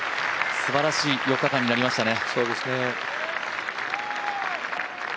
すばらしい４日間になりましたね。